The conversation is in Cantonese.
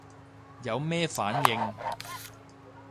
有咩反應